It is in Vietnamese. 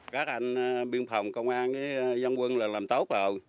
các anh biên phòng công an dân quân là làm tốt rồi